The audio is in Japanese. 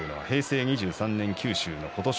平成２３年九州場所の琴奨